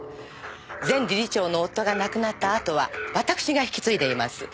前理事長の夫が亡くなったあとは私が引き継いでいます。